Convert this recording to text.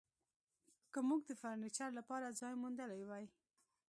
که موږ د فرنیچر لپاره ځای موندلی وای